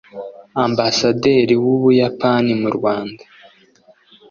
Ambasaderi w’u Buyapani mu Rwanda